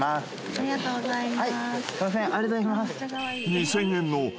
ありがとうございます。